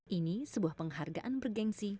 ini sebuah penghargaan bergensi